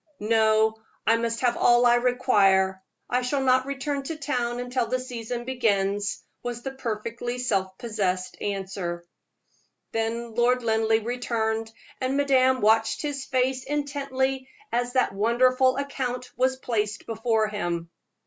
"No, I must have all I require; I shall not return to town until the season begins," was the perfectly self possessed reply. Then Lord Linleigh returned, and madame watched his face intently as that wonderful account was placed before him.